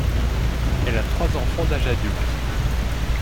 Elle a trois enfants d'âge adulte.